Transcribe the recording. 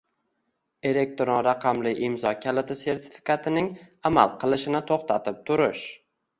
Elektron raqamli imzo kaliti sertifikatining amal qilishini to‘xtatib turish